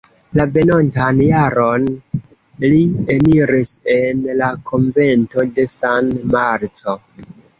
La venontan jaron li eniris en la konvento de San Marco.